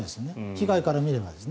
被害から見れば。